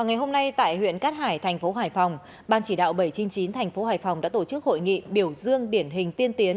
ngày hôm nay tại huyện cát hải thành phố hải phòng ban chỉ đạo bảy trăm chín mươi chín thành phố hải phòng đã tổ chức hội nghị biểu dương điển hình tiên tiến